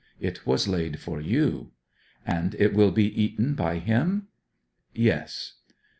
'It was laid for you.' 'And it will be eaten by him?' 'Yes.'